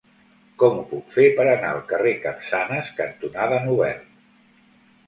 Com ho puc fer per anar al carrer Capçanes cantonada Nobel?